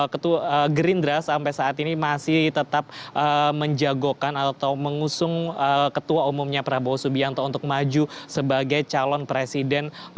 ketua gerindra sampai saat ini masih tetap menjagokan atau mengusung ketua umumnya prabowo subianto untuk maju sebagai calon presiden